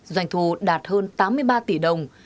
doanh thu đạt hơn tám mươi ba tỷ đồng